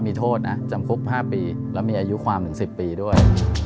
มีโทษนะจำคุก๕ปีแล้วมีอายุความถึง๑๐ปีด้วย